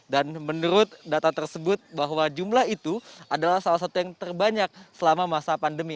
dan menurut data tersebut bahwa jumlah itu adalah salah satu yang terbanyak selama masa pandemi